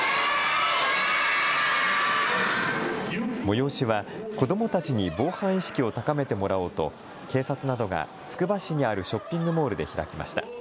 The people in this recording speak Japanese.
催しは子どもたちに防犯意識を高めてもらおうと警察などがつくば市にあるショッピングモールで開きました。